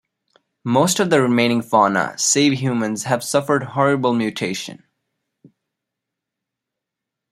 Most of the remaining fauna, save humans, have suffered horrible mutation.